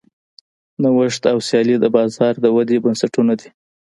نوښت او سیالي د بازار د ودې بنسټونه دي.